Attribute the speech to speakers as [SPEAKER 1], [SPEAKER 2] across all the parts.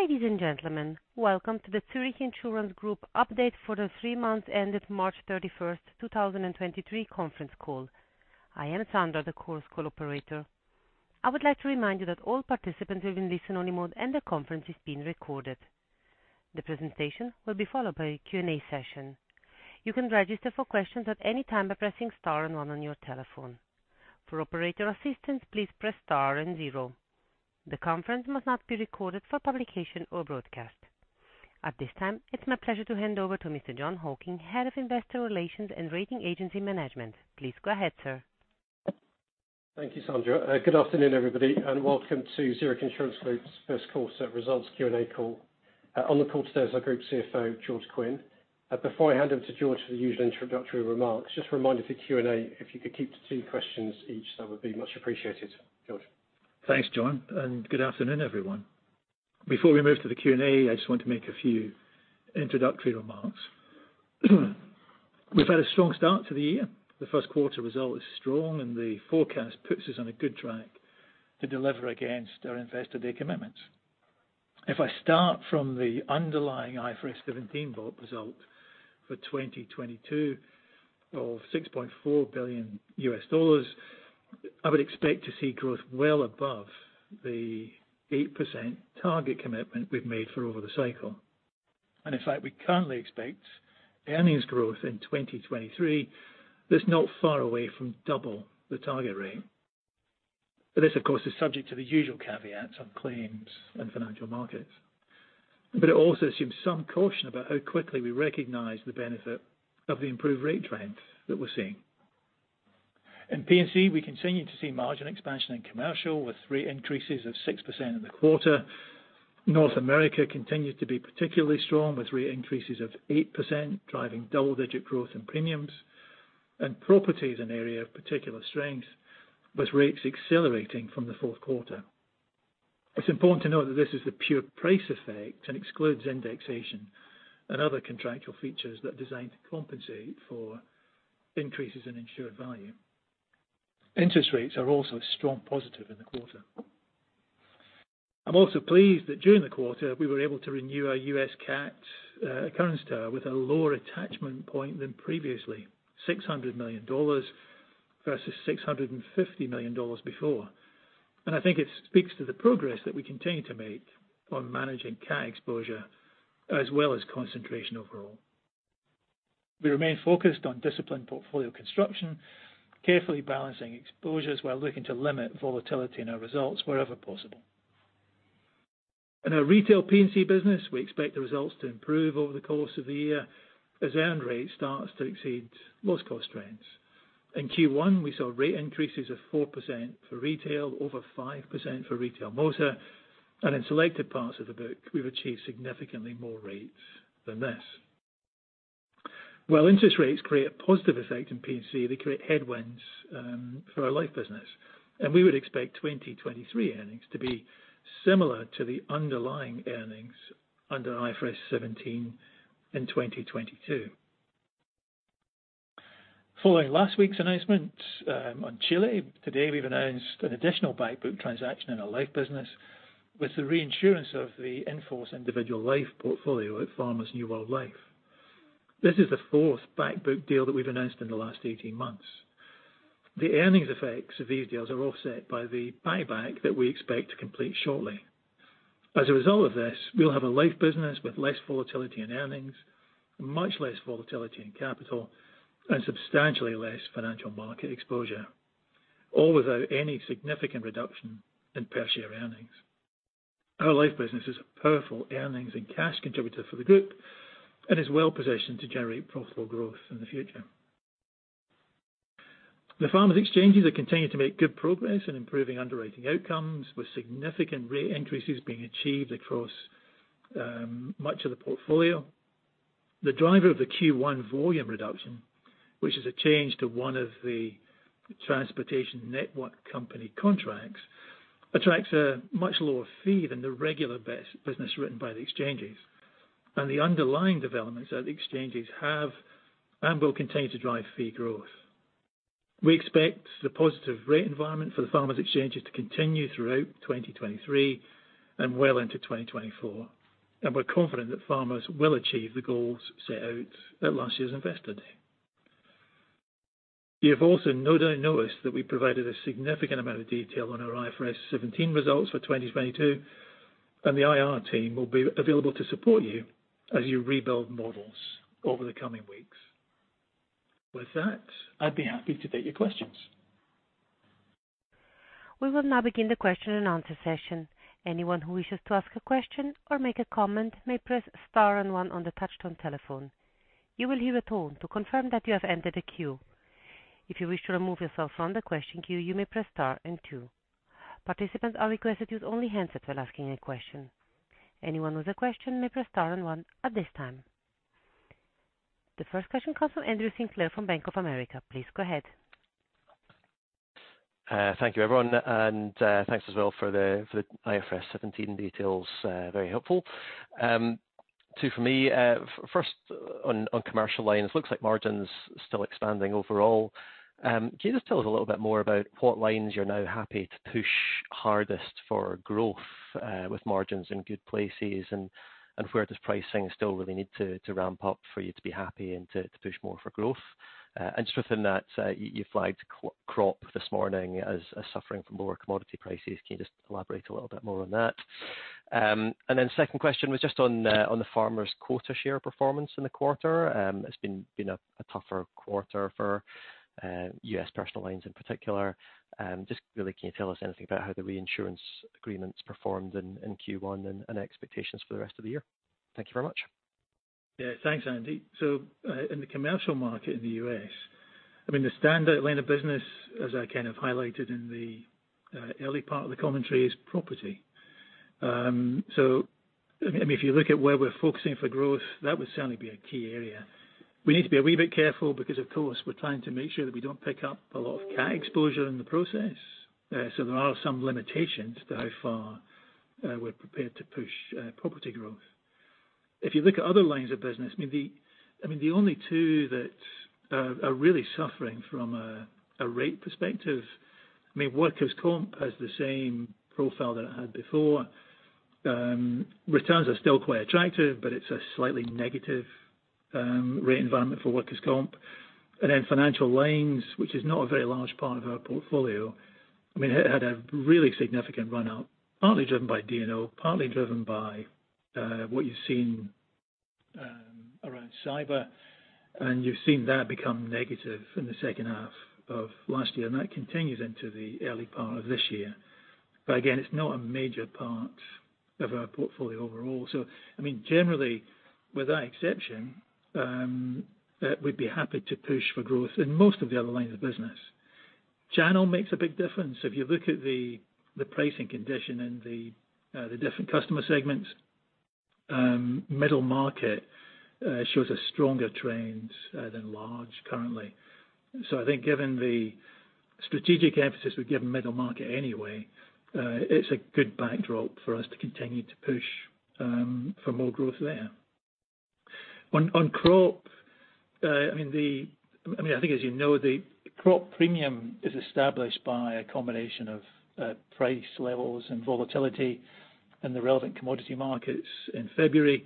[SPEAKER 1] Ladies and gentlemen, welcome to the Zurich Insurance Group update for the 3 months ended March 31st, 2023 conference call. I am Sandra, the Chorus Call operator. I would like to remind you that all participants will be in listen-only mode, and the conference is being recorded. The presentation will be followed by a Q&A session. You can register for questions at any time by pressing star 1 on your telephone. For operator assistance, please press star 0. The conference must not be recorded for publication or broadcast. At this time, it's my pleasure to hand over to Mr. Jon Hocking, Head of Investor Relations and Rating Agency Management. Please go ahead, sir.
[SPEAKER 2] Thank you, Sandra. Good afternoon, everybody, and welcome to Zurich Insurance Group's first course at Results Q&A call. On the call today is our Group CFO, George Quinn. Before I hand over to George for the usual introductory remarks, just a reminder for Q&A, if you could keep to two questions each, that would be much appreciated. George.
[SPEAKER 3] Thanks, Jon, good afternoon, everyone. Before we move to the Q&A, I just want to make a few introductory remarks. We've had a strong start to the year. The Q1 result is strong, and the forecast puts us on a good track to deliver against our Investor Day commitments. If I start from the underlying IFRS 17 result for 2022 of $6.4 billion, I would expect to see growth well above the 8% target commitment we've made for over the cycle. In fact, we currently expect earnings growth in 2023 that's not far away from double the target rate. This, of course, is subject to the usual caveats on claims in financial markets. It also assumes some caution about how quickly we recognize the benefit of the improved rate trend that we're seeing. In P&C, we continue to see margin expansion in commercial with rate increases of 6% in the quarter. North America continues to be particularly strong, with rate increases of 8%, driving double-digit growth in premiums. Property is an area of particular strength, with rates accelerating from the Q4. It's important to note that this is a pure price effect and excludes indexation and other contractual features that are designed to compensate for increases in insured value. Interest rates are also a strong positive in the quarter. I'm also pleased that during the quarter, we were able to renew our US CAT occurrence tower with a lower attachment point than previously, $600 million versus $650 million before. I think it speaks to the progress that we continue to make on managing CAT exposure as well as concentration overall. We remain focused on disciplined portfolio construction, carefully balancing exposures while looking to limit volatility in our results wherever possible. In our retail P&C business, we expect the results to improve over the course of the year as earn rate starts to exceed loss cost trends. In Q1, we saw rate increases of 4% for retail, over 5% for retail motor, and in selected parts of the book, we've achieved significantly more rates than this. While interest rates create a positive effect in P&C, they create headwinds for our life business, and we would expect 2023 earnings to be similar to the underlying earnings under IFRS 17 in 2022. Following last week's announcement on Chile, today we've announced an additional back book transaction in our life business with the reinsurance of the in-force individual life portfolio at Farmers New World Life. This is the fourth back book deal that we've announced in the last 18 months. The earnings effects of these deals are offset by the buyback that we expect to complete shortly. As a result of this, we'll have a life business with less volatility in earnings, much less volatility in capital, and substantially less financial market exposure, all without any significant reduction in per share earnings. Our life business is a powerful earnings and cash contributor for the group and is well-positioned to generate profitable growth in the future. The Farmers Exchanges are continuing to make good progress in improving underwriting outcomes, with significant rate increases being achieved across much of the portfolio. The driver of the Q1 volume reduction, which is a change to one of the Transportation Network Company contracts, attracts a much lower fee than the regular bus-business written by the Exchanges, the underlying developments at the Exchanges have and will continue to drive fee growth. We expect the positive rate environment for the Farmers Exchanges to continue throughout 2023 and well into 2024, we're confident that Farmers will achieve the goals set out at last year's Investor Day. You have also no doubt noticed that we provided a significant amount of detail on our IFRS 17 results for 2022, the IR team will be available to support you as you rebuild models over the coming weeks. With that, I'd be happy to take your questions.
[SPEAKER 1] We will now begin the question and answer session. Anyone who wishes to ask a question or make a comment may press star and one on the touchtone telephone. You will hear a tone to confirm that you have entered a queue. If you wish to remove yourself from the question queue, you may press star and two. Participants are requested to use only handsets when asking a question. Anyone with a question may press star and one at this time. The first question comes from Andrew Sinclair from Bank of America. Please go ahead.
[SPEAKER 4] Thank you, everyone. Thanks as well for the IFRS 17 details, very helpful. Two for me. First on commercial lines, looks like margin's still expanding overall. Can you just tell us a little bit more about what lines you're now happy to push hardest for growth, with margins in good places? Where does pricing still really need to ramp up for you to be happy and to push more for growth? Just within that, you flagged crop this morning as suffering from lower commodity prices. Can you just elaborate a little bit more on that? Second question was just on the Farmers' quota share performance in the quarter. It's been a tougher quarter for U.S. personal lines in particular. Just really, can you tell us anything about how the reinsurance agreements performed in Q1 and expectations for the rest of the year? Thank you very much.
[SPEAKER 3] Thanks, Andy. In the commercial market in the U.S., I mean, the standard line of business, as I kind of highlighted in the early part of the commentary, is property. I mean, if you look at where we're focusing for growth, that would certainly be a key area. We need to be a wee bit careful because, of course, we're trying to make sure that we don't pick up a lot of cat exposure in the process. There are some limitations to how far we're prepared to push property growth. If you look at other lines of business, I mean, the, I mean, the only two that are really suffering from a rate perspective... I mean, workers' comp has the same profile that it had before. Returns are still quite attractive, it's a slightly negative rate environment for workers' comp. Financial Lines, which is not a very large part of our portfolio, I mean, it had a really significant run out, partly driven by D&O, partly driven by what you've seen around cyber. You've seen that become negative in the H2 of last year. That continues into the early part of this year. Again, it's not a major part of our portfolio overall. I mean, generally, with that exception, we'd be happy to push for growth in most of the other lines of business. Channel makes a big difference. If you look at the pricing condition in the different customer segments, middle market shows a stronger trend than large currently. I think given the strategic emphasis we give middle market anyway, it's a good backdrop for us to continue to push for more growth there. On crop, I mean, I think as you know, the crop premium is established by a combination of price levels and volatility in the relevant commodity markets in February.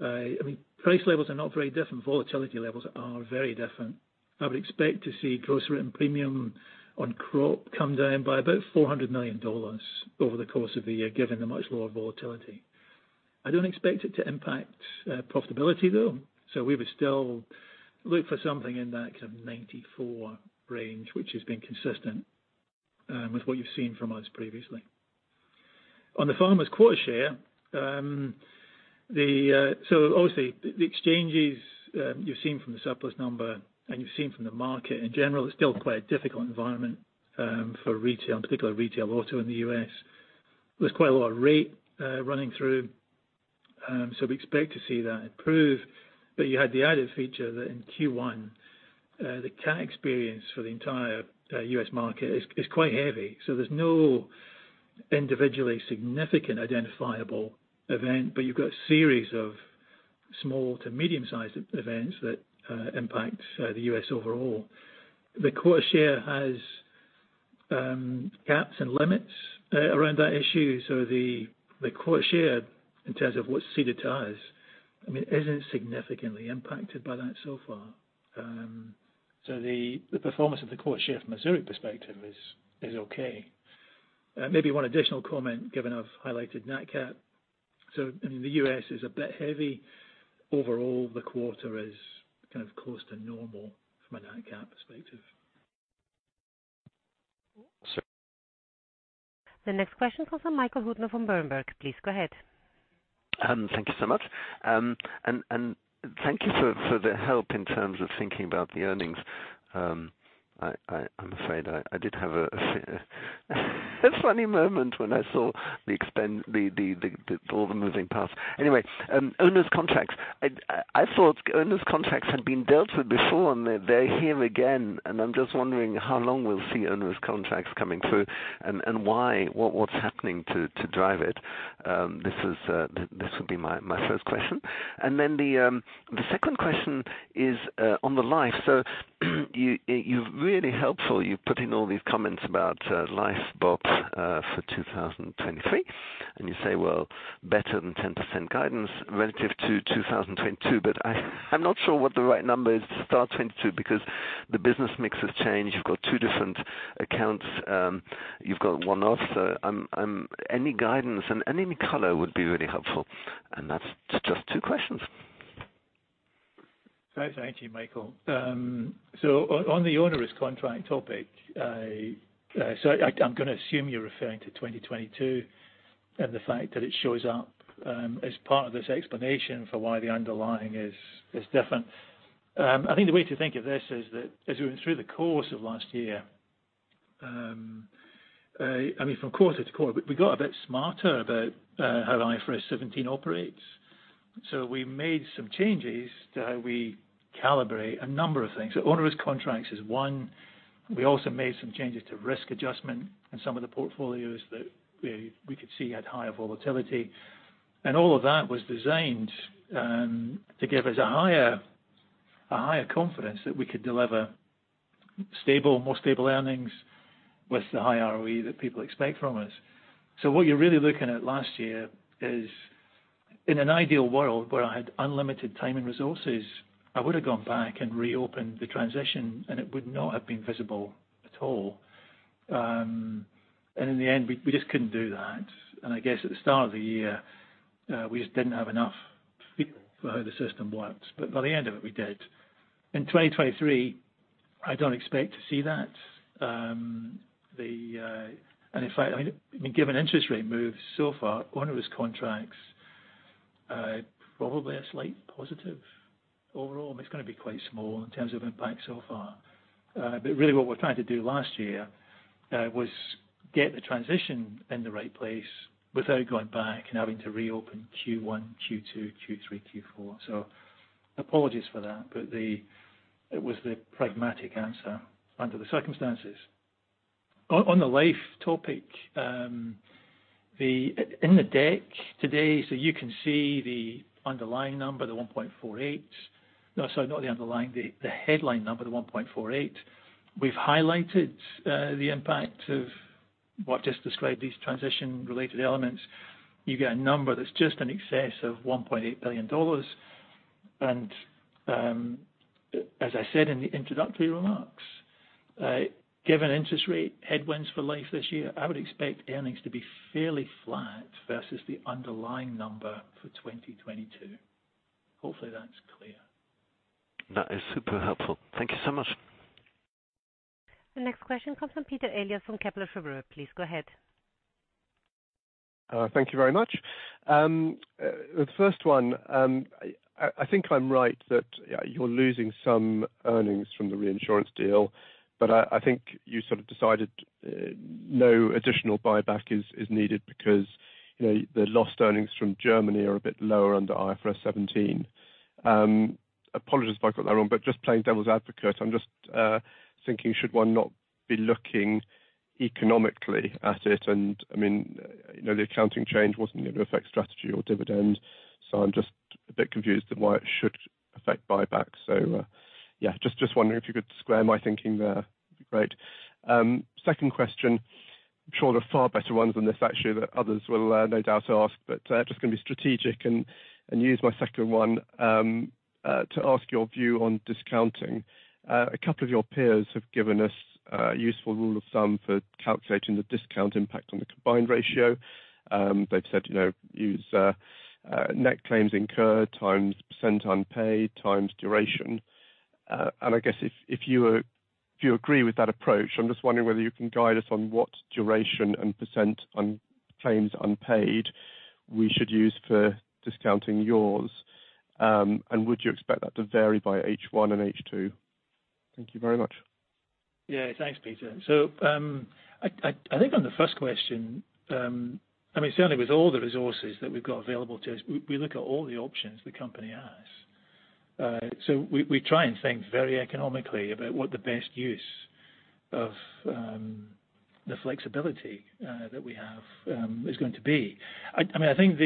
[SPEAKER 3] I mean, price levels are not very different. Volatility levels are very different. I would expect to see gross written premium on crop come down by about $400 million over the course of the year, given the much lower volatility. I don't expect it to impact profitability though. We would still look for something in that kind of 94 range, which has been consistent with what you've seen from us previously. On the Farmers' quota share. Obviously the exchanges, you've seen from the surplus number, and you've seen from the market in general, it's still quite a difficult environment for retail, in particular retail auto in the US. There's quite a lot of rate running through. We expect to see that improve. You had the added feature that in Q1, the cat experience for the entire US market is quite heavy. There's no individually significant identifiable event, but you've got a series of small to medium sized events that impact the US overall. The quota share has gaps and limits around that issue. The quota share in terms of what's ceded to us, I mean, isn't significantly impacted by that so far. The performance of the quota share from a Zurich perspective is okay. Maybe one additional comment, given I've highlighted Nat cat. I mean, the U.S. is a bit heavy. Overall, the quarter is kind of close to normal from a Nat cat perspective.
[SPEAKER 4] So-
[SPEAKER 1] The next question comes from Michael Huttner from Berenberg. Please go ahead.
[SPEAKER 5] Thank you so much. Thank you for the help in terms of thinking about the earnings. I'm afraid I did have a funny moment when I saw all the moving parts. Anyway, onerous contracts. I thought onerous contracts had been dealt with before, and they're here again. I'm just wondering how long we'll see onerous contracts coming through and why. What's happening to drive it? This is my first question. The second question is on the life. You're really helpful. You've put in all these comments about life VoBs for 2023. You say, well, better than 10% guidance relative to 2022. I'm not sure what the right number is to start 2022 because the business mix has changed. You've got 2 different accounts. You've got one-off. I'm... Any guidance and any color would be really helpful. That's just 2 questions.
[SPEAKER 3] Thank you, Michael. On the onerous contract topic, I'm gonna assume you're referring to 2022 and the fact that it shows up as part of this explanation for why the underlying is different. I think the way to think of this is that as we went through the course of last year, I mean, from quarter to quarter, we got a bit smarter about how IFRS 17 operates. We made some changes to how we Calibrate a number of things. Onerous contracts is one. We also made some changes to risk adjustment in some of the portfolios that we could see had higher volatility. All of that was designed to give us a higher confidence that we could deliver stable, more stable earnings with the high ROE that people expect from us. What you're really looking at last year is in an ideal world where I had unlimited time and resources, I would've gone back and reopened the transition, and it would not have been visible at all. In the end, we just couldn't do that. I guess at the start of the year, we just didn't have enough feel for how the system worked. But by the end of it, we did. In 2023, I don't expect to see that. In fact, I mean, given interest rate moves so far, one of his contracts, probably a slight positive overall, it's gonna be quite small in terms of impact so far. Really what we're trying to do last year, was get the transition in the right place without going back and having to reopen Q1, Q2, Q3, Q4. Apologies for that, but it was the pragmatic answer under the circumstances. On the life topic, in the deck today, you can see the underlying number, the 1.48. No, sorry. Not the underlying, the headline number, the 1.48. We've highlighted the impact of what just described these transition related elements. You get a number that's just in excess of $1.8 billion. As I said in the introductory remarks, given interest rate headwinds for life this year, I would expect earnings to be fairly flat versus the underlying number for 2022. Hopefully, that's clear.
[SPEAKER 5] That is super helpful. Thank you so much.
[SPEAKER 1] The next question comes from Peter Eliot from Kepler Cheuvreux. Please go ahead.
[SPEAKER 6] Thank you very much. The first one, I think I'm right that you're losing some earnings from the reinsurance deal, but I think you sort of decided no additional buyback is needed because, you know, the lost earnings from Germany are a bit lower under IFRS 17. Apologies if I got that wrong, but just playing devil's advocate, I'm just thinking should one not be looking economically at it? I mean, you know, the accounting change wasn't going to affect strategy or dividend, so I'm just a bit confused at why it should affect buyback. Yeah, just wondering if you could square my thinking there. Be great. Second question. I'm sure there are far better ones than this actually, that others will no doubt ask, just gonna be strategic and use my second one to ask your view on discounting. A couple of your peers have given us a useful rule of thumb for calculating the discount impact on the combined ratio. They've said, you know, use net claims incurred times percent unpaid times duration. I guess if you agree with that approach, I'm just wondering whether you can guide us on what duration and percent claims unpaid we should use for discounting yours. Would you expect that to vary by H1 and H2? Thank you very much.
[SPEAKER 3] Thanks, Peter. I mean, I think on the first question, I mean, certainly with all the resources that we've got available to us, we look at all the options the company has. We try and think very economically about what the best use of the flexibility that we have is going to be. I mean, I think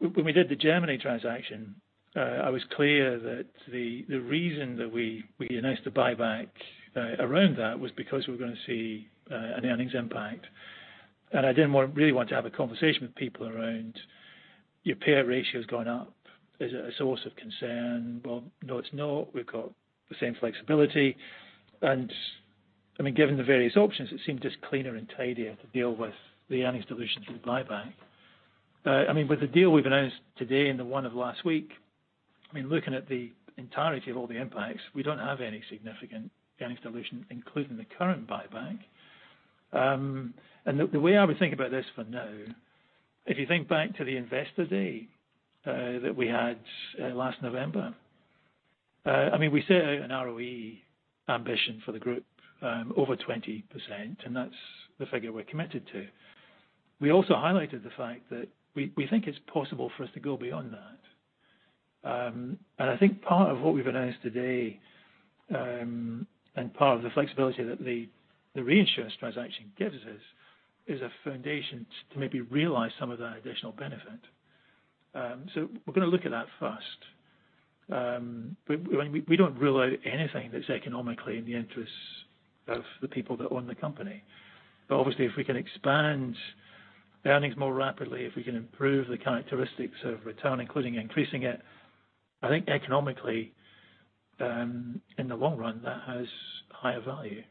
[SPEAKER 3] when we did the Germany transaction, I was clear that the reason that we announced a buyback around that was because we're gonna see an earnings impact. I didn't really want to have a conversation with people around your payout ratio's gone up. Is it a source of concern? Well, no, it's not. We've got the same flexibility. I mean, given the various options, it seemed just cleaner and tidier to deal with the earnings dilution through the buyback. I mean, with the deal we've announced today and the one of last week, I mean, looking at the entirety of all the impacts, we don't have any significant earnings dilution, including the current buyback. The, the way I would think about this for now, if you think back to the Investor Day, that we had last November, I mean, we set out an ROE ambition for the group, over 20%, and that's the figure we're committed to. We also highlighted the fact that we think it's possible for us to go beyond that. I think part of what we've announced today, and part of the flexibility that the reinsurance transaction gives us is a foundation to maybe realize some of that additional benefit. We're gonna look at that first. We don't rule out anything that's economically in the interests of the people that own the company. Obviously, if we can expand the earnings more rapidly, if we can improve the characteristics of return, including increasing it, I think economically, in the long run, that has higher value.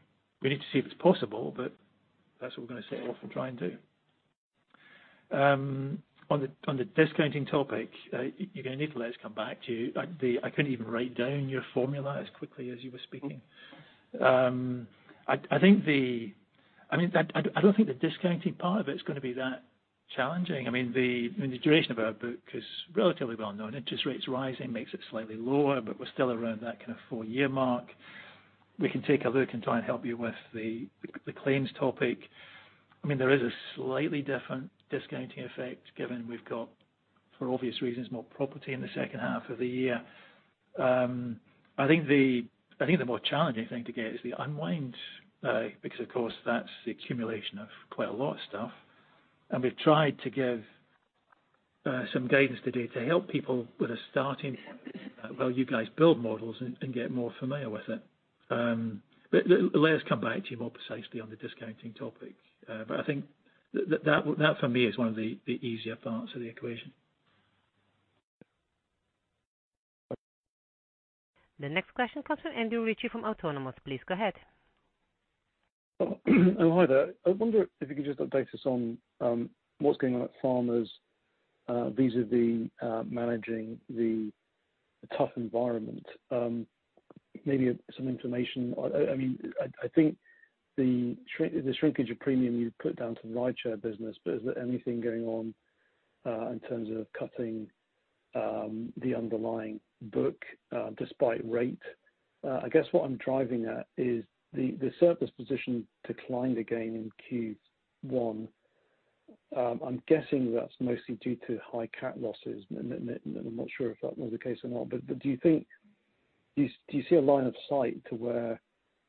[SPEAKER 3] We need to see if it's possible, but that's what we're gonna set off and try and do. On the discounting topic, you're gonna need to let us come back to you. I couldn't even write down your formula as quickly as you were speaking. I think the... I mean, I don't think the discounting part of it's gonna be that challenging. I mean, the duration of our book is relatively well known. Interest rates rising makes it slightly lower, we're still around that kind of 4-year mark. We can take a look and try and help you with the claims topic. I mean, there is a slightly different discounting effect given we've got, for obvious reasons, more property in the H2 of the year. I think the more challenging thing to get is the unwind because of course that's the accumulation of quite a lot of stuff. We've tried to give some guidance today to help people with a starting while you guys build models and get more familiar with it. Let us come back to you more precisely on the discounting topic. I think that for me is one of the easier parts of the equation.
[SPEAKER 1] The next question comes from Andrew Ritchie from Autonomous Research. Please go ahead.
[SPEAKER 7] Hi there. I wonder if you could just update us on what's going on at Farmers vis-à-vis managing the tough environment. Maybe some information. I mean, I think the shrink, the shrinkage of premium you put down to the rideshare business, but is there anything going on in terms of cutting the underlying book despite rate? I guess what I'm driving at is the surplus position declined again in Q1. I'm guessing that's mostly due to high cat losses. I'm not sure if that was the case or not. But do you think, do you see a line of sight to where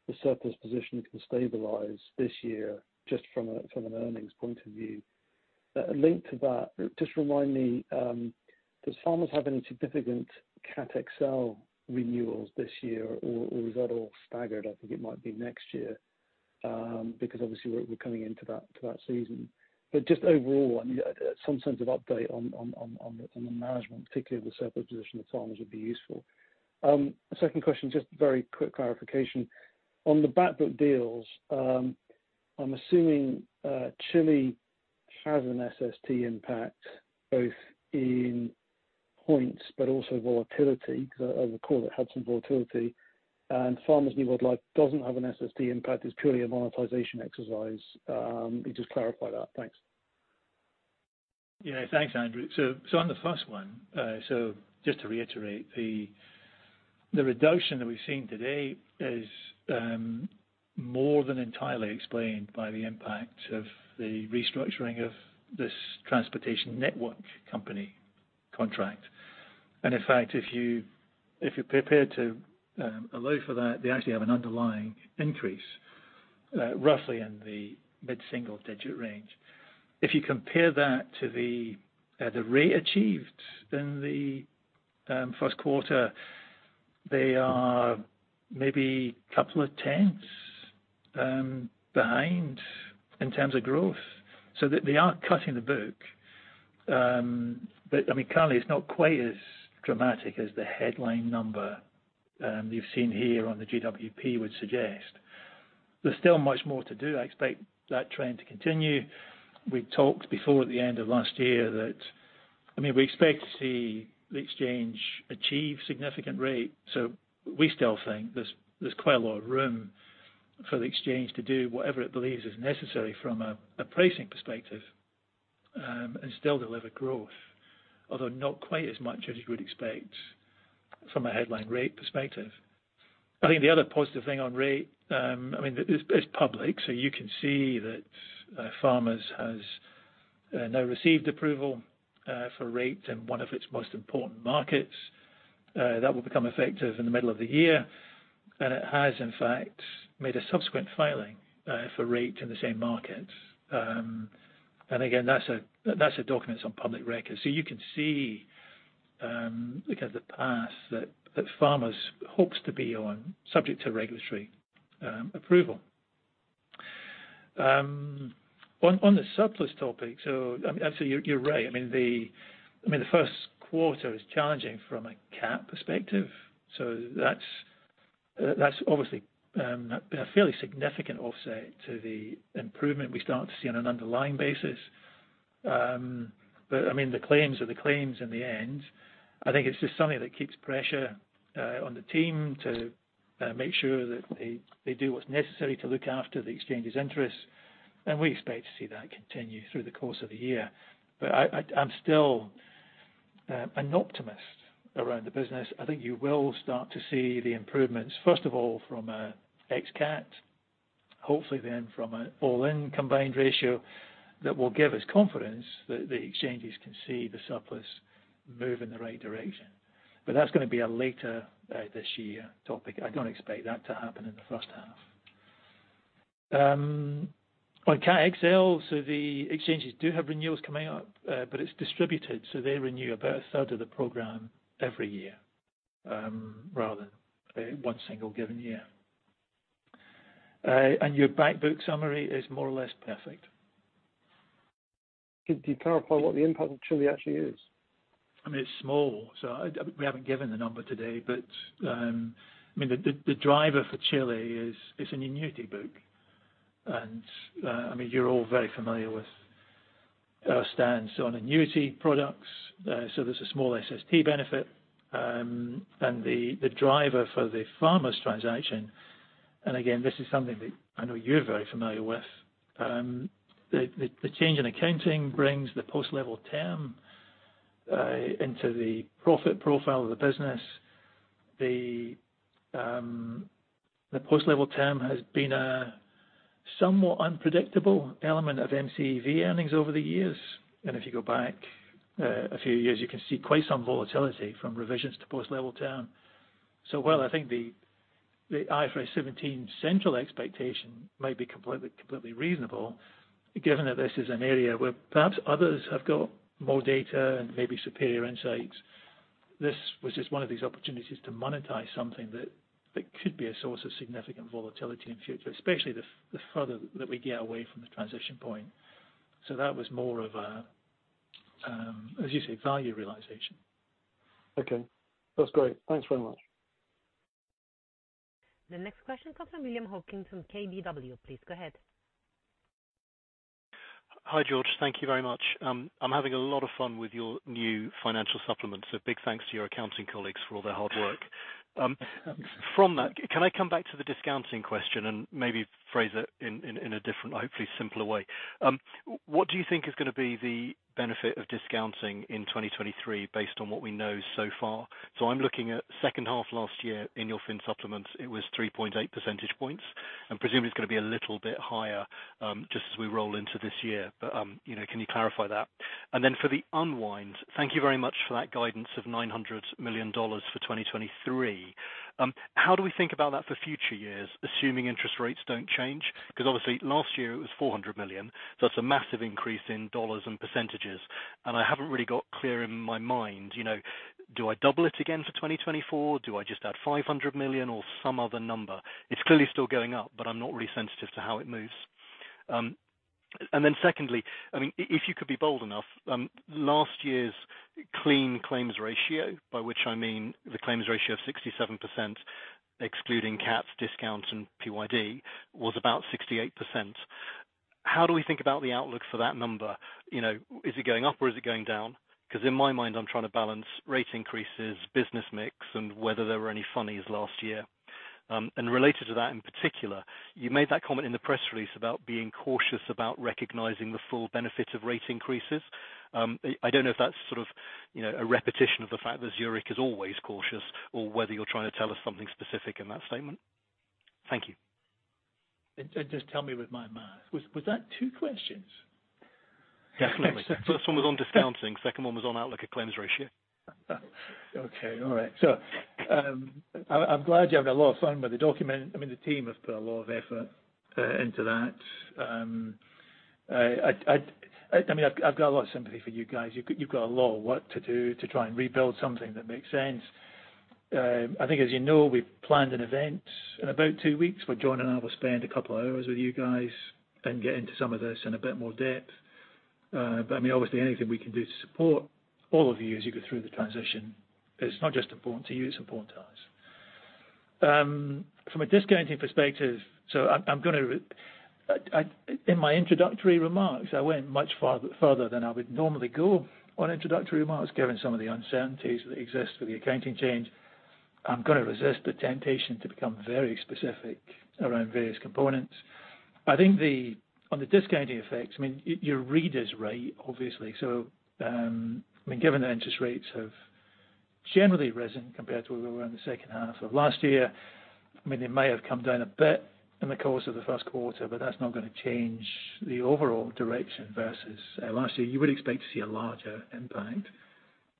[SPEAKER 7] the surplus position can stabilize this year just from an earnings point of view? Linked to that, just remind me, does Farmers have any significant Cat XL renewals this year, or is that all staggered? I think it might be next year, because obviously we're coming into that season. Just overall, I mean, some sense of update on the management, particularly of the surplus position at Farmers would be useful. Second question, just very quick clarification. On the back book deals, I'm assuming Chile has an SST impact both in points but also volatility, 'cause I recall it had some volatility. Farmers New World Life doesn't have an SST impact, it's purely a monetization exercise. Can you just clarify that? Thanks.
[SPEAKER 3] Yeah. Thanks, Andrew. On the first one, just to reiterate, the reduction that we've seen today is more than entirely explained by the impact of the restructuring of this Transportation Network Company contract. In fact, if you're prepared to allow for that, they actually have an underlying increase roughly in the mid-single-digit range. If you compare that to the rate achieved in the Q1, they are maybe couple of tenths behind in terms of growth. They are cutting the book. I mean, currently it's not quite as dramatic as the headline number you've seen here on the GWP would suggest. There's still much more to do. I expect that trend to continue. We talked before at the end of last year that, I mean, we expect to see the exchange achieve significant rate. We still think there's quite a lot of room for the exchange to do whatever it believes is necessary from a pricing perspective, and still deliver growth, although not quite as much as you would expect from a headline rate perspective. I think the other positive thing on rate, I mean, it's public, so you can see that Farmers has now received approval for rate in one of its most important markets. That will become effective in the middle of the year. It has in fact made a subsequent filing for rate in the same markets. Again, that's a document that's on public record. You can see, kind of the path that Farmers hopes to be on subject to regulatory approval. On the surplus topic, I mean, absolutely you're right. I mean, the Q1 is challenging from a cat perspective, that's obviously a fairly significant offset to the improvement we start to see on an underlying basis. I mean, the claims are the claims in the end. I think it's just something that keeps pressure on the team to make sure that they do what's necessary to look after the exchange's interests. We expect to see that continue through the course of the year. I'm still an optimist around the business. I think you will start to see the improvements, first of all, from a X cat, hopefully then from an all-in combined ratio that will give us confidence that the exchanges can see the surplus move in the right direction. That's gonna be a later this year topic. I don't expect that to happen in the H1. On Cat XL, the exchanges do have renewals coming up. It's distributed, they renew about a third of the program every year, rather than one single given year. Your back book summary is more or less perfect.
[SPEAKER 7] Could you clarify what the impact of Chile actually is?
[SPEAKER 3] I mean, it's small. We haven't given the number today, but I mean, the driver for Chile is an annuity book. I mean, you're all very familiar with our stance on annuity products. There's a small SST benefit. The driver for the Farmers transaction, and again, this is something that I know you're very familiar with, the change in accounting brings the post-level term into the profit profile of the business. The post-level term has been a somewhat unpredictable element of MCEV earnings over the years. If you go back a few years, you can see quite some volatility from revisions to post-level term. While I think the IFRS 17 central expectation might be completely reasonable, given that this is an area where perhaps others have got more data and maybe superior insights, this was just one of these opportunities to monetize something that could be a source of significant volatility in future, especially the further that we get away from the transition point. That was more of a, as you say, value realization.
[SPEAKER 7] Okay. That's great. Thanks very much.
[SPEAKER 1] The next question comes from William Hawkins from KBW. Please go ahead.
[SPEAKER 8] Hi, George. Thank you very much. I'm having a lot of fun with your new financial supplement, so big thanks to your accounting colleagues for all their hard work. From that, can I come back to the discounting question and maybe phrase it in a different, hopefully simpler way? What do you think is gonna be the benefit of discounting in 2023 based on what we know so far? I'm looking at H2 last year in your fin supplements, it was 3.8 percentage points, and presume it's gonna be a little bit higher, just as we roll into this year. You know, can you clarify that? And then for the unwind, thank you very much for that guidance of $900 million for 2023. How do we think about that for future years, assuming interest rates don't change? 'Cause obviously last year it was $400 million, so that's a massive increase in dollars and percentages. I haven't really got clear in my mind, you know, do I double it again for 2024? Do I just add $500 million or some other number? It's clearly still going up, but I'm not really sensitive to how it moves. Secondly, I mean, if you could be bold enough, last year's clean claims ratio, by which I mean the claims ratio of 67%, excluding CATs, discounts, and PYD, was about 68%. How do we think about the outlook for that number? You know, is it going up or is it going down? 'Cause in my mind, I'm trying to balance rate increases, business mix, and whether there were any funnies last year. Related to that in particular, you made that comment in the press release about being cautious about recognizing the full benefit of rate increases. I don't know if that's sort of, you know, a repetition of the fact that Zurich is always cautious or whether you're trying to tell us something specific in that statement. Thank you.
[SPEAKER 3] Just tell me with my math, was that two questions?
[SPEAKER 8] Definitely. First one was on discounting, second one was on outlook and claims ratio.
[SPEAKER 3] Okay. All right. I'm glad you're having a lot of fun with the document. I mean, the team have put a lot of effort into that. I mean, I've got a lot of sympathy for you guys. You've got a lot of work to do to try and rebuild something that makes sense. I think, as you know, we've planned an event in about 2 weeks, where Jon and I will spend 2 hours with you guys and get into some of this in a bit more depth. I mean, obviously anything we can do to support all of you as you go through the transition is not just important to you, it's important to us. From a discounting perspective, I'm gonna... In my introductory remarks, I went much further than I would normally go on introductory remarks, given some of the uncertainties that exist with the accounting change. I'm gonna resist the temptation to become very specific around various components. I think on the discounting effects, I mean, your read is right, obviously. Given the interest rates have generally risen compared to where we were in the H2 of last year, I mean, they may have come down a bit in the course of the Q1, but that's not gonna change the overall direction versus last year. You would expect to see a larger impact.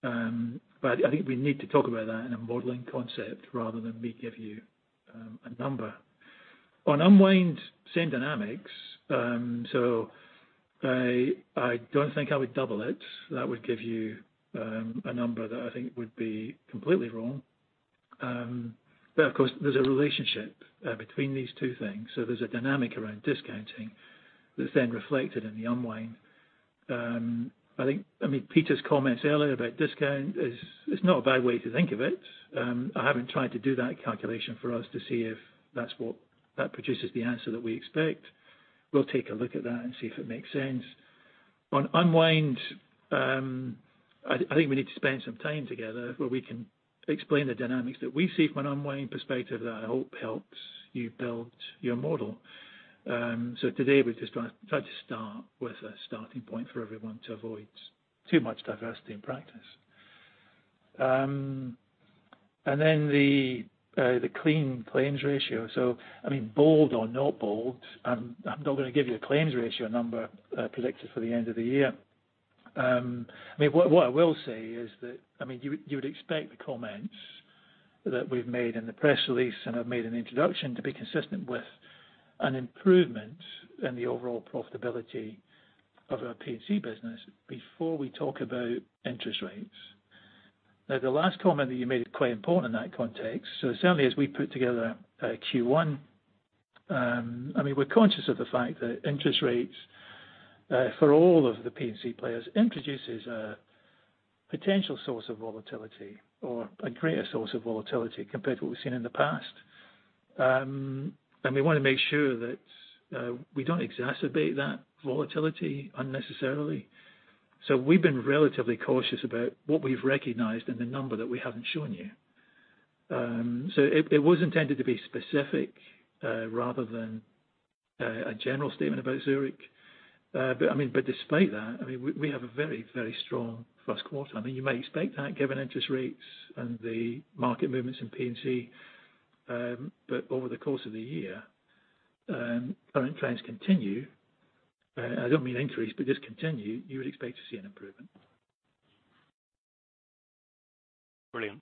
[SPEAKER 3] I think we need to talk about that in a modeling concept rather than me give you a number. On unwind, same dynamics. I don't think I would double it. That would give you, a number that I think would be completely wrong. Of course, there's a relationship between these two things. There's a dynamic around discounting that's then reflected in the unwind. I mean, Peter's comments earlier about discount is not a bad way to think of it. I haven't tried to do that calculation for us to see if that produces the answer that we expect. We'll take a look at that and see if it makes sense. On unwind, I think we need to spend some time together where we can explain the dynamics that we see from an unwinding perspective that I hope helps you build your model. Today we're just gonna try to start with a starting point for everyone to avoid too much diversity in practice. And then the clean claims ratio. I mean, bold or not bold, I'm not gonna give you a claims ratio number predicted for the end of the year. I mean, what I will say is that, I mean, you would expect the comments that we've made in the press release and have made an introduction to be consistent with an improvement in the overall profitability of our P&C business before we talk about interest rates. The last comment that you made is quite important in that context. Certainly as we put together Q1, I mean, we're conscious of the fact that interest rates for all of the P&C players introduces a potential source of volatility or a greater source of volatility compared to what we've seen in the past. We wanna make sure that we don't exacerbate that volatility unnecessarily. We've been relatively cautious about what we've recognized and the number that we haven't shown you. It was intended to be specific rather than a general statement about Zurich. I mean, but despite that, I mean, we have a very, very strong Q1. I mean, you may expect that given interest rates and the market movements in P&C. Over the course of the year, current trends continue, I don't mean increase, but just continue, you would expect to see an improvement.
[SPEAKER 8] Brilliant.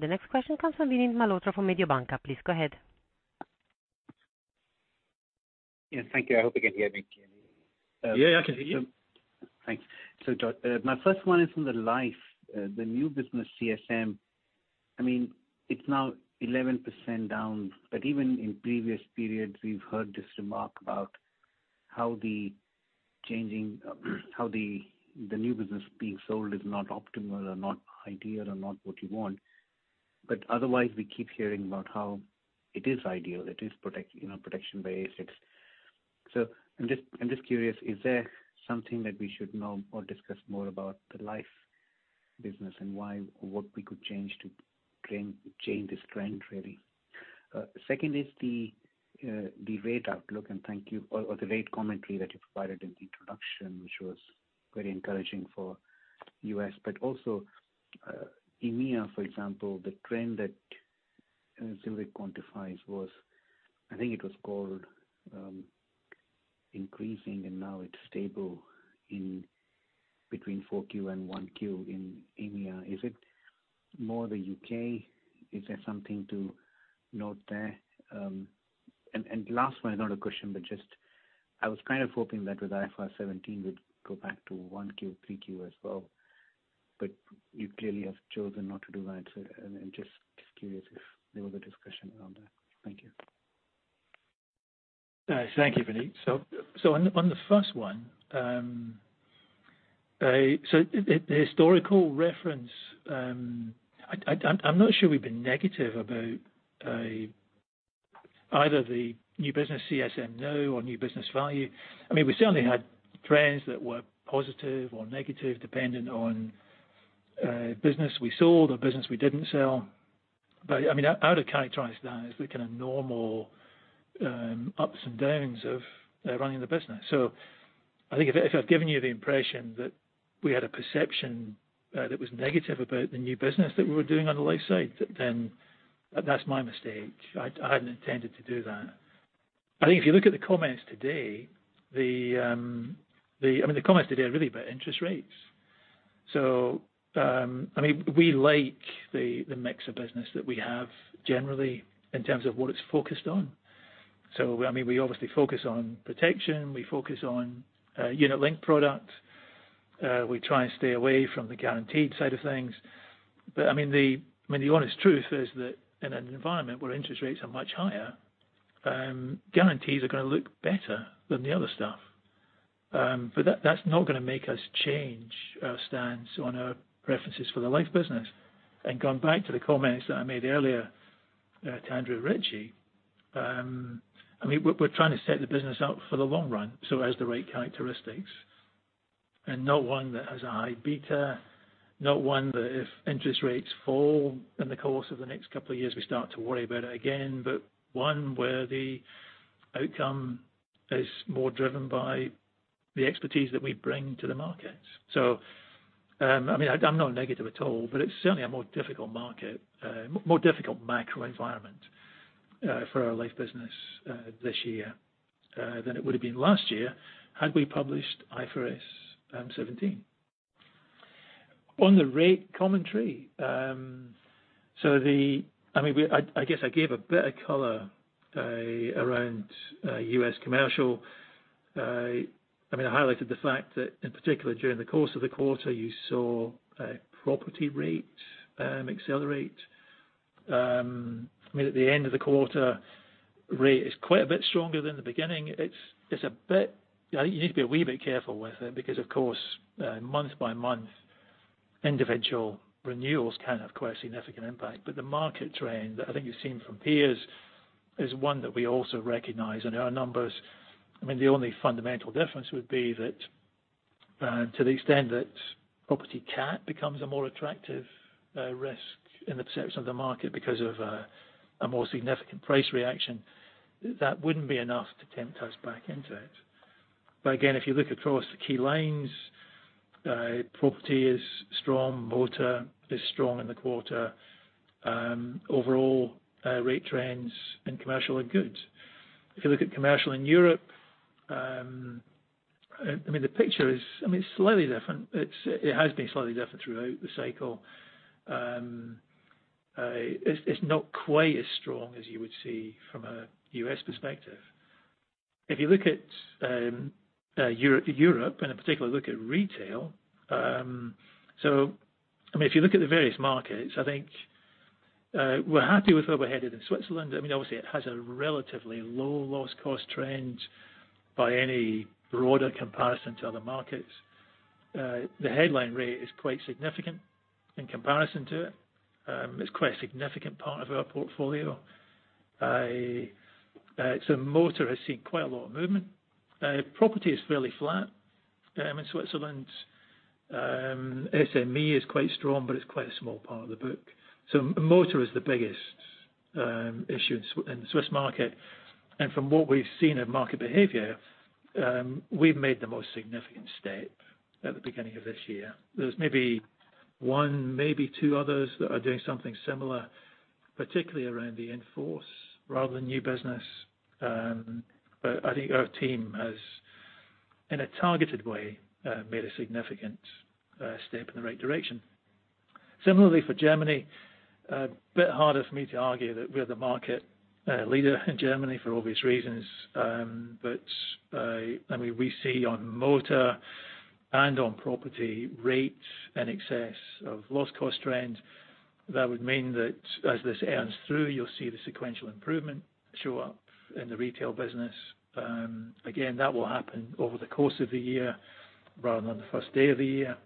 [SPEAKER 1] The next question comes from Vinit Malhotra from Mediobanca. Please go ahead.
[SPEAKER 9] Yes, thank you. I hope you can hear me.
[SPEAKER 3] Yeah. Yeah, I can hear you.
[SPEAKER 9] Thanks. My first one is from the life, the new business CSM. I mean, it's now 11% down, but even in previous periods, we've heard this remark about how the new business being sold is not optimal or not ideal or not what you want. Otherwise, we keep hearing about how it is ideal, it is, you know, protection by A6. I'm just curious, is there something that we should know or discuss more about the life business and what we could change to change this trend really? Second is the rate outlook, and thank you. Or the rate commentary that you provided in the introduction, which was very encouraging for U.S. Also, EMEA, for example, the trend that Zurich quantifies was, I think it was called, increasing, and now it's stable in between 4Q and 1Q in EMEA. Is it more the UK? Is there something to note there? Last one is not a question, but just I was kind of hoping that with IFRS 17 would go back to 1Q, 3Q as well. You clearly have chosen not to do that. I'm just curious if there was a discussion around that. Thank you.
[SPEAKER 3] Thank you, Vinit. On the first one, the historical reference, I'm not sure we've been negative about either the new business CSM or new business value. I mean, we certainly had trends that were positive or negative, depending on business we sold or business we didn't sell. But, I mean, I would have characterized that as the kind of normal ups and downs of running the business. I think if I've given you the impression that we had a perception that was negative about the new business that we were doing on the life side, then that's my mistake. I hadn't intended to do that. I think if you look at the comments today, I mean, the comments today are really about interest rates. I mean, we like the mix of business that we have generally in terms of what it's focused on. I mean, we obviously focus on protection. We focus on unit-linked product. We try and stay away from the guaranteed side of things. I mean, the honest truth is that in an environment where interest rates are much higher, guarantees are gonna look better than the other stuff. But that's not gonna make us change our stance on our preferences for the life business. Going back to the comments that I made earlier to Andrew Ritchie, I mean, we're trying to set the business up for the long run, so it has the right characteristics. Not one that has a high beta. Not one that if interest rates fall in the course of the next couple of years, we start to worry about it again. One where the outcome is more driven by the expertise that we bring to the market. I mean, I'm not negative at all, but it's certainly a more difficult market, more difficult macro environment, for our life business, this year, than it would have been last year had we published IFRS 17. On the rate commentary. I mean, I guess I gave a bit of color, around U.S. Commercial. I mean, I highlighted the fact that in particular during the course of the quarter, you saw a property rate accelerate. I mean, at the end of the quarter, rate is quite a bit stronger than the beginning. It's a bit. I think you need to be a wee bit careful with it because, of course, month by month, individual renewals can have quite a significant impact. The market trend that I think you've seen from peers is one that we also recognize in our numbers. I mean, the only fundamental difference would be that to the extent that property Cat becomes a more attractive risk in the perception of the market because of a more significant price reaction. That wouldn't be enough to tempt us back into it. Again, if you look across the key lines, property is strong. Motor is strong in the quarter. Overall, rate trends in commercial are good. If you look at commercial in Europe, I mean, the picture is. I mean, it's slightly different. It has been slightly different throughout the cycle. It's not quite as strong as you would see from a US perspective. If you look at Europe and in particular look at retail. I mean, if you look at the various markets, I think, we're happy with where we're headed in Switzerland. I mean, obviously it has a relatively low loss cost trend by any broader comparison to other markets. The headline rate is quite significant in comparison to it. It's quite a significant part of our portfolio. Motor has seen quite a lot of movement. Property is fairly flat. In Switzerland, SME is quite strong, but it's quite a small part of the book. Motor is the biggest issue in the Swiss market. From what we've seen of market behavior, we've made the most significant step at the beginning of this year. There's maybe one, maybe two others that are doing something similar, particularly around the in-force rather than new business. I think our team has, in a targeted way, made a significant step in the right direction. Similarly for Germany, a bit harder for me to argue that we're the market leader in Germany for obvious reasons. I mean, we see on motor and on property rates in excess of loss cost trends. That would mean that as this earns through, you'll see the sequential improvement show up in the retail business. Again, that will happen over the course of the year rather than the first day of the year.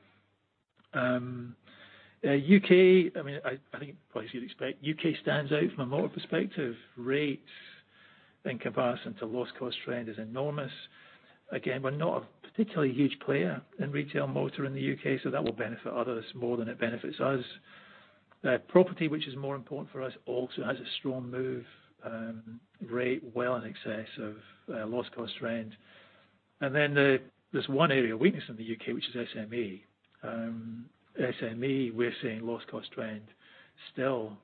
[SPEAKER 3] UK, I mean, I think probably as you'd expect, UK stands out from a motor perspective. Rates in comparison to loss cost trend is enormous. Again, we're not a particularly huge player in retail motor in the UK, so that will benefit others more than it benefits us. Property, which is more important for us, also has a strong move, rate well in excess of loss cost trend. There's one area of weakness in the UK, which is SME. SME, we're seeing loss cost trend still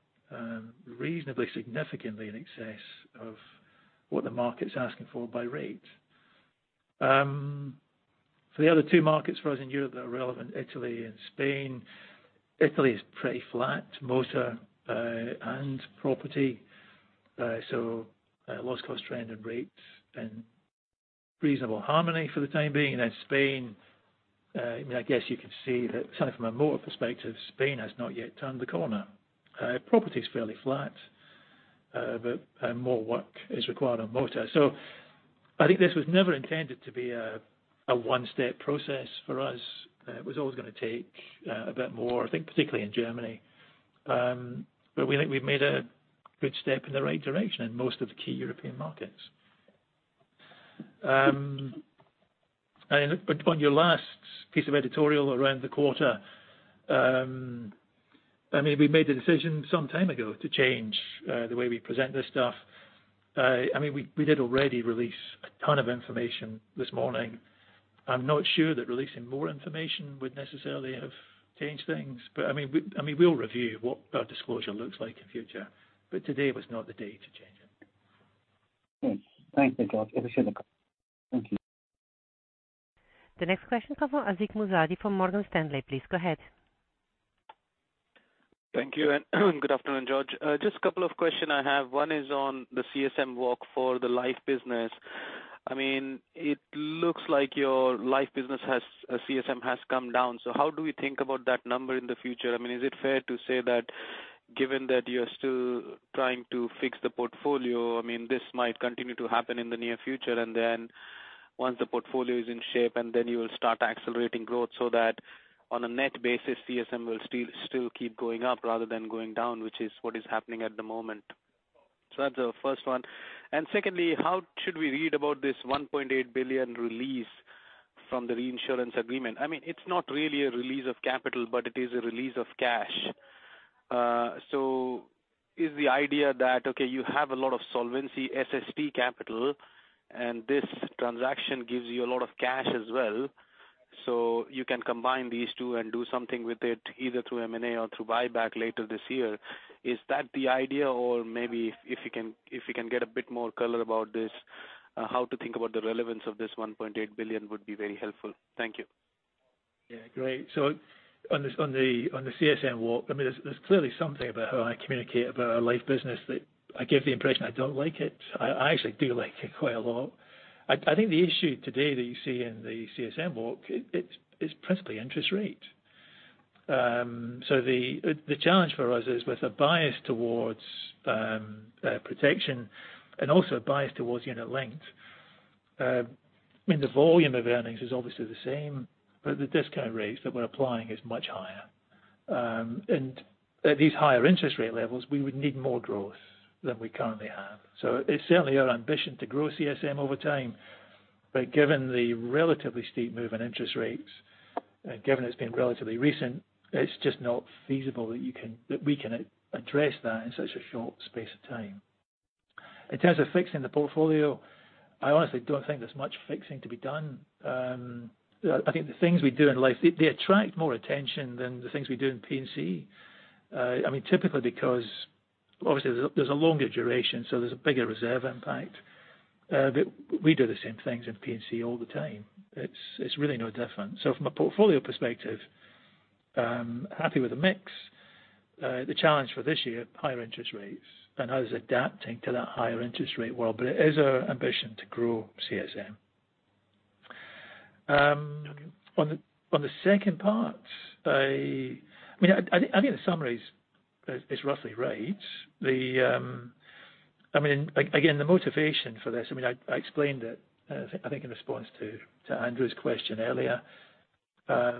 [SPEAKER 3] reasonably significantly in excess of what the market's asking for by rate. For the other two markets for us in Europe that are relevant, Italy and Spain. Italy is pretty flat, motor, and property. Loss cost trend and rates in reasonable harmony for the time being. Spain, I mean, I guess you could see that certainly from a motor perspective, Spain has not yet turned the corner. Property is fairly flat, but more work is required on motor. I think this was never intended to be a one-step process for us. It was always gonna take a bit more, I think, particularly in Germany. We think we've made a good step in the right direction in most of the key European markets. On your last piece of editorial around the quarter, I mean, we made the decision some time ago to change the way we present this stuff. I mean, we did already release a ton of information this morning. I'm not sure that releasing more information would necessarily have changed things. I mean, we, I mean, we'll review what our disclosure looks like in future, but today was not the day to change it.
[SPEAKER 9] Great. Thank you, George. Appreciate the call. Thank you.
[SPEAKER 1] The next question comes from Ashik Musaddi from Morgan Stanley. Please go ahead.
[SPEAKER 10] Thank you. Good afternoon, George. Just a couple of question I have. One is on the CSM walk for the life business. I mean, it looks like your life business CSM has come down, so how do we think about that number in the future? I mean, is it fair to say that given that you're still trying to fix the portfolio, I mean, this might continue to happen in the near future, and then once the portfolio is in shape and then you'll start accelerating growth so that on a net basis, CSM will still keep going up rather than going down, which is what is happening at the moment. That's the first one. Secondly, how should we read about this $1.8 billion release from the reinsurance agreement? I mean, it's not really a release of capital, but it is a release of cash. Is the idea that, okay, you have a lot of solvency SST capital and this transaction gives you a lot of cash as well, so you can combine these two and do something with it, either through M&A or through buyback later this year. Is that the idea? Maybe if you can get a bit more color about this, how to think about the relevance of this $1.8 billion would be very helpful. Thank you.
[SPEAKER 3] Yeah. Great. On the CSM walk, I mean, there's clearly something about how I communicate about our life business that I give the impression I don't like it. I actually do like it quite a lot. I think the issue today that you see in the CSM walk, it's principally interest rate. The challenge for us is with a bias towards protection and also a bias towards unit-linked, I mean, the volume of earnings is obviously the same, but the discount rates that we're applying is much higher. At these higher interest rate levels, we would need more growth than we currently have. It's certainly our ambition to grow CSM over time, but given the relatively steep move in interest rates, given it's been relatively recent, it's just not feasible that we can address that in such a short space of time. In terms of fixing the portfolio, I honestly don't think there's much fixing to be done. I think the things we do in life, they attract more attention than the things we do in P&C. I mean, typically because obviously there's a longer duration, so there's a bigger reserve impact. We do the same things in P&C all the time. It's really no different. From a portfolio perspective, happy with the mix. The challenge for this year, higher interest rates and how it's adapting to that higher interest rate world. It is our ambition to grow CSM. On the, on the second part, I mean, I think the summary is roughly right. I mean, again, the motivation for this, I mean, I explained it, I think in response to Andrew's question earlier. I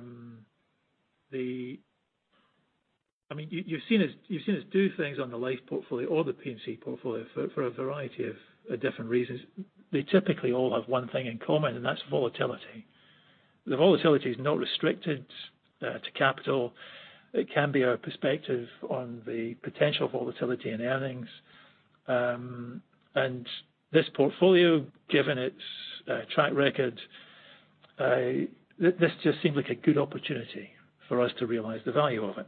[SPEAKER 3] mean, you've seen us do things on the life portfolio or the P&C portfolio for a variety of different reasons. They typically all have one thing in common, and that's volatility. The volatility is not restricted to capital. It can be our perspective on the potential volatility and earnings. And this portfolio, given its track record, this just seemed like a good opportunity for us to realize the value of it.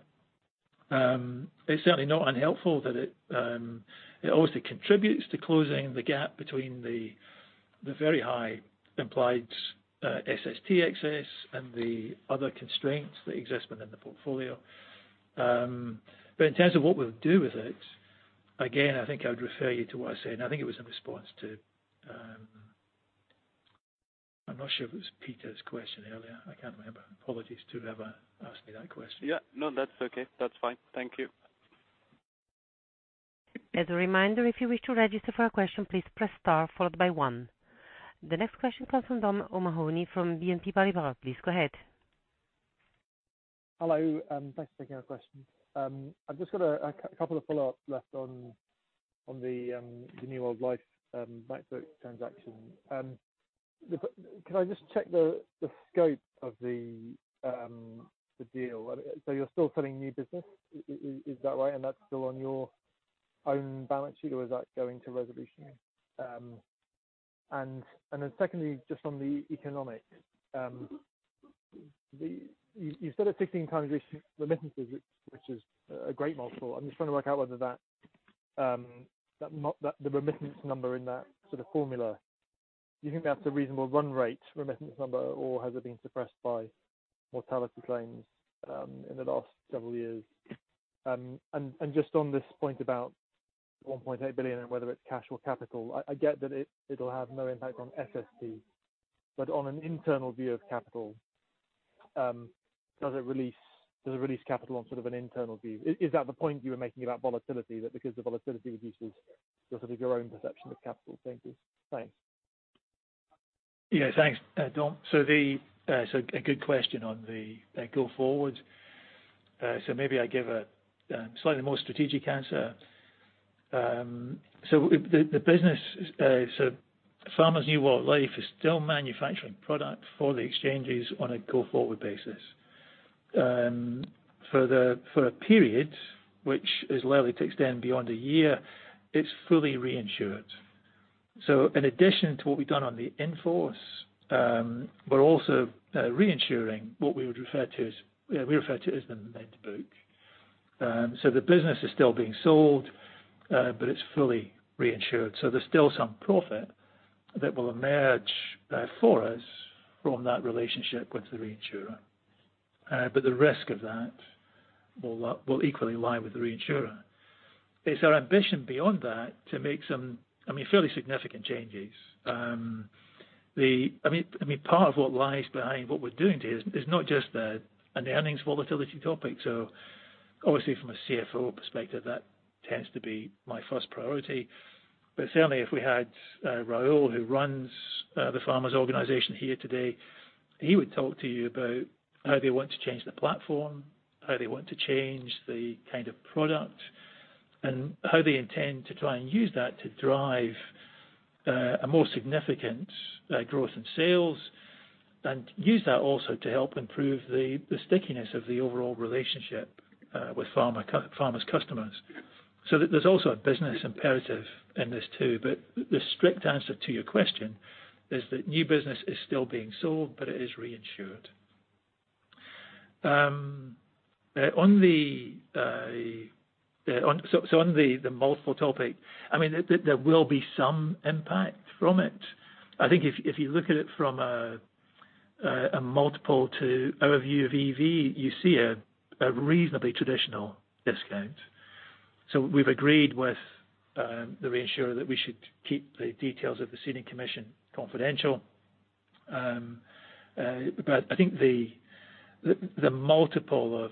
[SPEAKER 3] It's certainly not unhelpful that it also contributes to closing the gap between the very high implied SST excess and the other constraints that exist within the portfolio. In terms of what we'll do with it, again, I think I would refer you to what I said, and I think it was in response to... I'm not sure if it was Peter's question earlier. I can't remember. Apologies to whoever asked me that question.
[SPEAKER 10] Yeah. No, that's okay. That's fine. Thank you.
[SPEAKER 1] As a reminder, if you wish to register for a question, please press star followed by one. The next question comes from Dominic O'Mahony from BNP Paribas. Please go ahead.
[SPEAKER 11] Hello, thanks for taking our question. I've just got a couple of follow-ups left on the New World Life med book transaction. Can I just check the scope of the deal? You're still selling new business, is that right? That's still on your own balance sheet or is that going to resolution? Then secondly, just on the economics. You said at 16x remittances, which is a great multiple. I'm just trying to work out whether that the remittance number in that sort of formula, do you think that's a reasonable run rate remittance number, or has it been suppressed by mortality claims in the last several years? Just on this point about $1.8 billion and whether it's cash or capital, I get that it'll have no impact on SST. On an internal view of capital, does it release capital on sort of an internal view? Is that the point you were making about volatility, that because the volatility reduces sort of your own perception of capital? Thank you. Thanks.
[SPEAKER 3] Yeah, thanks, Dom. A good question on the go forward. Maybe I give a slightly more strategic answer. The business, so Farmers New World Life is still manufacturing product for the exchanges on a go-forward basis, for a period which is likely to extend beyond a year, it's fully reinsured. In addition to what we've done on the in-force, we're also reinsuring what we would refer to as, we refer to as the med book. The business is still being sold, but it's fully reinsured. There's still some profit that will emerge for us from that relationship with the reinsurer. The risk of that will equally lie with the reinsurer. It's our ambition beyond that to make some, I mean, fairly significant changes. I mean, part of what lies behind what we're doing to is not just a, an earnings volatility topic. Obviously from a CFO perspective, that tends to be my first priority. Certainly if we had Raul, who runs the Farmers organization here today, he would talk to you about how they want to change the platform, how they want to change the kind of product, and how they intend to try and use that to drive a more significant growth in sales. Use that also to help improve the stickiness of the overall relationship with Farmers customers. There's also a business imperative in this too. The strict answer to your question is that new business is still being sold, but it is reinsured. On the multiple topic, I mean, there will be some impact from it. I think if you look at it from a multiple to our view of EV, you see a reasonably traditional discount. We've agreed with the reinsurer that we should keep the details of the ceding commission confidential. I think the multiple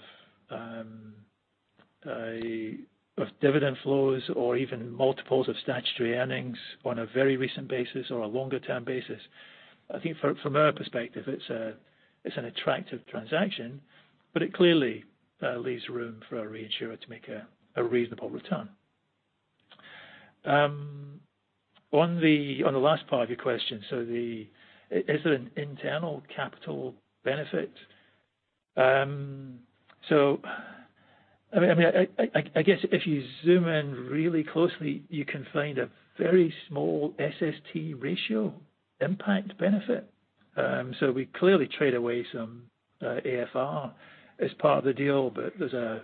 [SPEAKER 3] of dividend flows or even multiples of statutory earnings on a very recent basis or a longer-term basis, I think from our perspective, it's an attractive transaction, but it clearly leaves room for a reinsurer to make a reasonable return. On the last part of your question, is it an internal capital benefit? I mean, I guess if you zoom in really closely, you can find a very small SST ratio impact benefit. We clearly trade away some AFR as part of the deal, but there's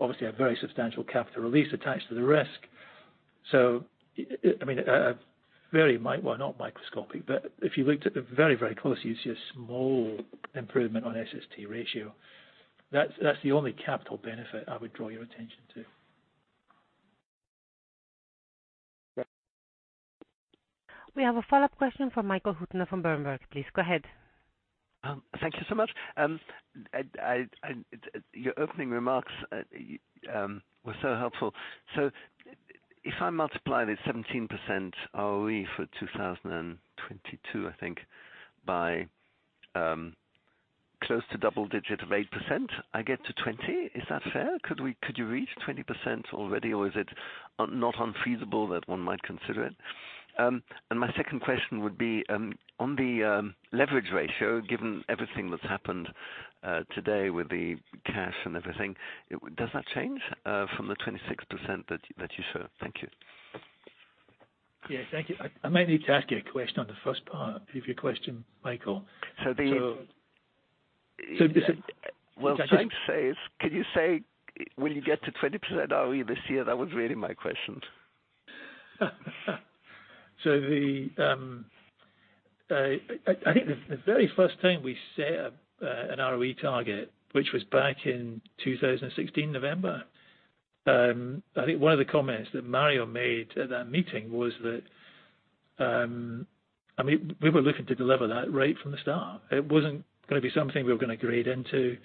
[SPEAKER 3] obviously a very substantial capital release attached to the risk. I mean, not microscopic, but if you looked at the very, very close, you'd see a small improvement on SST ratio. That's the only capital benefit I would draw your attention to.
[SPEAKER 1] We have a follow-up question from Michael Huttner from Berenberg. Please go ahead.
[SPEAKER 5] Thank you so much. I. Your opening remarks were so helpful. If I multiply the 17% ROE for 2022, I think, by close to double-digit of 8%, I get to 20. Is that fair? Could we, could you reach 20% already or is it not unfeasible that one might consider it? My second question would be on the leverage ratio, given everything that's happened today with the cash and everything, does that change from the 26% that you showed? Thank you.
[SPEAKER 3] Yeah, thank you. I might need to ask you a question on the first part of your question, Michael.
[SPEAKER 5] So the-
[SPEAKER 3] So-
[SPEAKER 5] Well, Can you say will you get to 20% ROE this year? That was really my question.
[SPEAKER 3] I think the very first time we set up an ROE target, which was back in 2016, November, I think one of the comments that Mario made at that meeting was that, I mean, we were looking to deliver that right from the start. It wasn't gonna be something we were gonna grade into.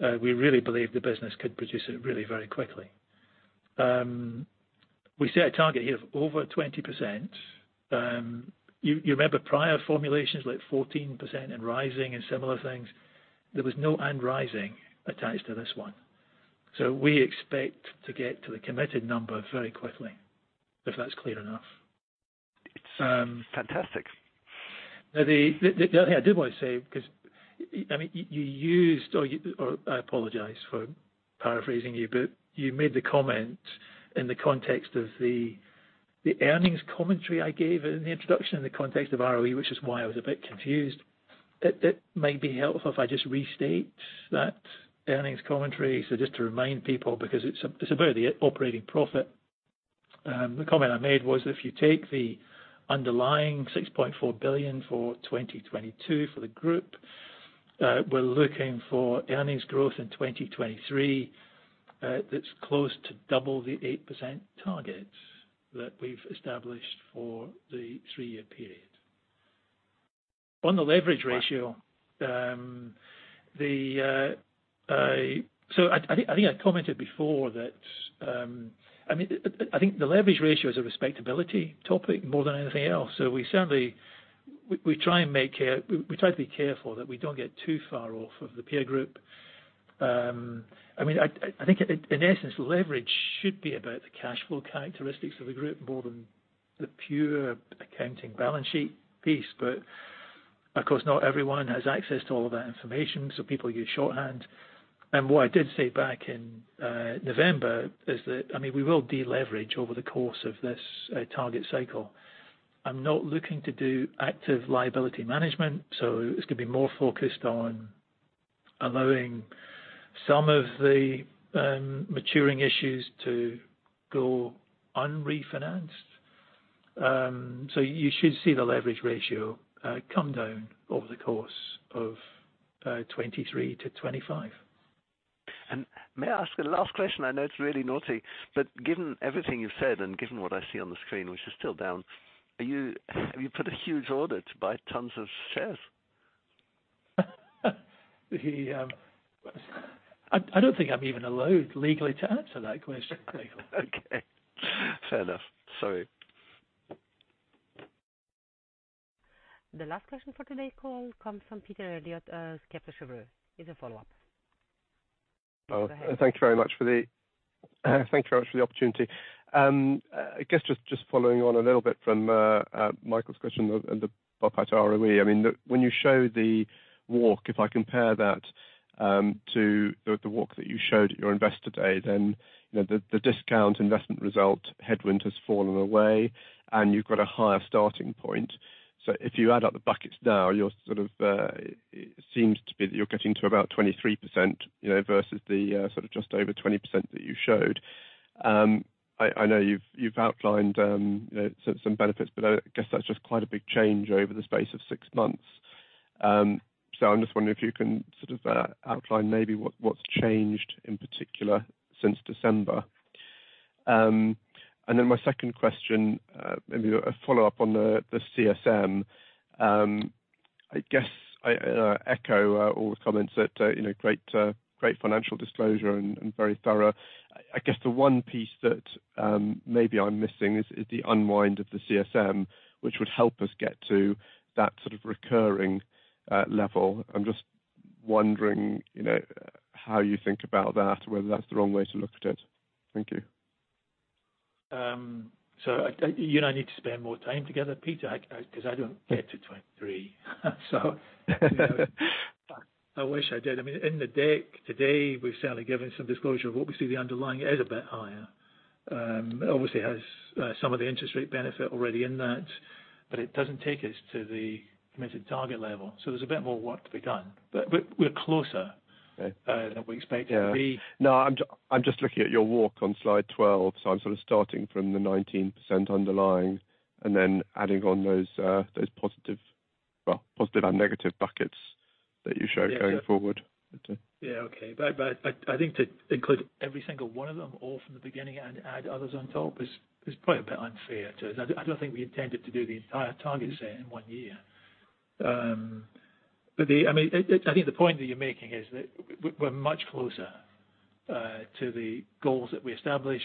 [SPEAKER 3] We really believed the business could produce it really very quickly. We set a target here of over 20%. You remember prior formulations like 14% and rising and similar things. There was no and rising attached to this one. We expect to get to the committed number very quickly, if that's clear enough.
[SPEAKER 5] It's fantastic.
[SPEAKER 3] The only thing I did want to say, because, I mean, you used or you, or I apologize for paraphrasing you, but you made the comment in the context of the earnings commentary I gave in the introduction in the context of ROE, which is why I was a bit confused. It might be helpful if I just restate that earnings commentary. Just to remind people, because it's about the operating profit. The comment I made was if you take the underlying $6.4 billion for 2022 for the group, we're looking for earnings growth in 2023, that's close to double the 8% target that we've established for the 3 year period. On the leverage ratio, the... I think I commented before that, I think the leverage ratio is a respectability topic more than anything else. We certainly, we try and make, we try to be careful that we don't get too far off of the peer group. I think in essence, leverage should be about the cash flow characteristics of the group more than the pure accounting balance sheet piece. Of course, not everyone has access to all of that information, so people use shorthand. What I did say back in November is that we will deleverage over the course of this target cycle. I'm not looking to do active liability management, so it's gonna be more focused on allowing some of the maturing issues to go unrefinanced. You should see the leverage ratio come down over the course of 2023 to 2025.
[SPEAKER 5] May I ask a last question? I know it's really naughty, but given everything you've said, and given what I see on the screen, which is still down, are you, have you put a huge order to buy tons of shares?
[SPEAKER 3] The, I don't think I'm even allowed legally to answer that question, Michael.
[SPEAKER 5] Okay. Fair enough. Sorry.
[SPEAKER 1] The last question for today call comes from Peter Eliot at Kepler Cheuvreux. It's a follow-up. Go ahead.
[SPEAKER 6] Thank you very much for the opportunity. I guess just following on a little bit from Michael's question on the, about ROE. I mean, when you show the walk, if I compare that to the walk that you showed at your Investor Day, you know, the discount investment result headwind has fallen away and you've got a higher starting point. If you add up the buckets now, you're sort of, it seems to be that you're getting to about 23%, you know, versus the sort of just over 20% that you showed. I know you've outlined, you know, some benefits, but I guess that's just quite a big change over the space of 6 months. I'm just wondering if you can sort of outline maybe what's changed in particular since December. My second question, maybe a follow-up on the CSM. I guess I echo all the comments that, you know, great financial disclosure and very thorough. I guess the one piece that maybe I'm missing is the unwind of the CSM, which would help us get to that sort of recurring level. I'm just wondering, you know, how you think about that or whether that's the wrong way to look at it. Thank you.
[SPEAKER 3] I, you and I need to spend more time together, Peter, 'cause I don't get to 23. You know, I wish I did. I mean, in the deck today, we've certainly given some disclosure of what we see the underlying. It is a bit higher. Obviously has some of the interest rate benefit already in that, but it doesn't take us to the committed target level. There's a bit more work to be done, but we're closer-
[SPEAKER 6] Okay.
[SPEAKER 3] than we expected to be.
[SPEAKER 6] Yeah. No, I'm just looking at your walk on slide 12. I'm sort of starting from the 19% underlying and then adding on those positive, well, positive and negative buckets that you showed going forward.
[SPEAKER 3] Yeah. Okay. I think to include every single one of them all from the beginning and add others on top is probably a bit unfair to. I don't think we intended to do the entire target set in 1 year. The, I mean, I think the point that you're making is that we're much closer to the goals that we established.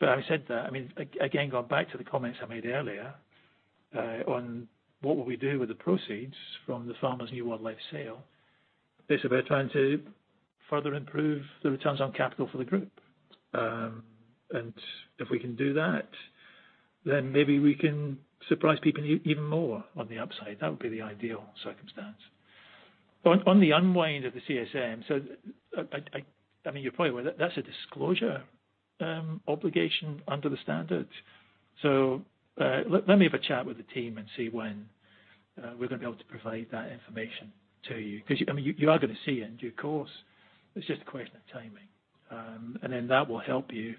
[SPEAKER 3] Having said that, I mean, again, going back to the comments I made earlier, on what will we do with the proceeds from the Farmers New World Life sale, it's about trying to further improve the returns on capital for the group. If we can do that, then maybe we can surprise people even more on the upside. That would be the ideal circumstance. On the unwind of the CSM. I mean, your point, well, that's a disclosure, obligation under the standard. Let me have a chat with the team and see when we're gonna be able to provide that information to you. Because you, I mean, you are gonna see it in due course. It's just a question of timing. Then that will help you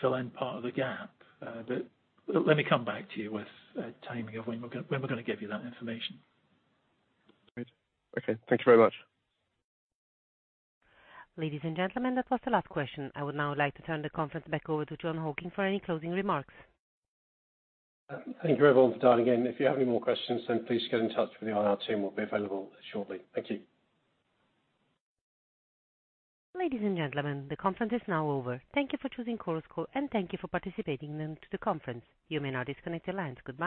[SPEAKER 3] fill in part of the gap. Let me come back to you with timing of when we're gonna give you that information.
[SPEAKER 6] Great. Okay. Thank you very much.
[SPEAKER 1] Ladies and gentlemen, that was the last question. I would now like to turn the conference back over to Jon Hocking for any closing remarks.
[SPEAKER 2] Thank you, everyone, for dialing in. If you have any more questions, then please get in touch with the IR team, we'll be available shortly. Thank you.
[SPEAKER 1] Ladies and gentlemen, the conference is now over. Thank you for choosing Chorus Call, and thank you for participating in to the conference. You may now disconnect your lines. Goodbye.